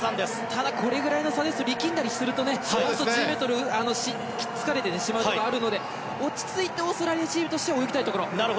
ただ、これくらいの差だと力んだりするとラスト、疲れてしまうことがあるので落ち着いてオーストラリアチームとしては泳ぎたいところ。